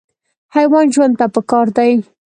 حیوان ژوند ته پکار دی.